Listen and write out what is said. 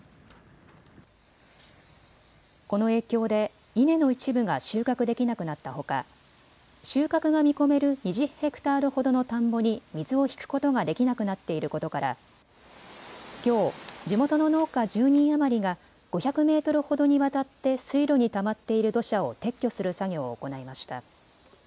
この影響で稲の一部が収穫できなくなったほか収穫が見込める２０ヘクタールほどの田んぼに水を引くことができなくなっていることからきょう地元の農家１０人余りが５００メートルほどにわたって水路にたまっている土砂を撤去する作業を行いました。